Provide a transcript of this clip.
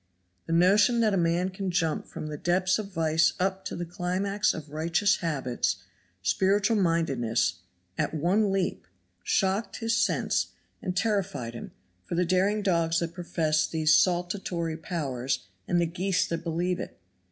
The notion that a man can jump from the depths of vice up to the climax of righteous habits, spiritual mindedness, at one leap, shocked his sense and terrified him for the daring dogs that profess these saltatory powers and the geese that believe it.